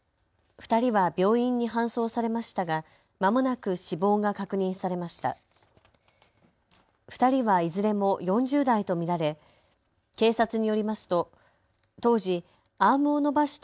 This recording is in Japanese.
２人は病院に搬送されましたがまもなく死亡が確認されました。